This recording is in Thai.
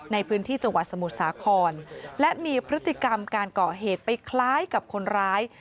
ในพื้นที่จังหวัดสมุทรสาครและมีพฤติกรรมการก่อเหตุไปคล้ายกับคนร้าย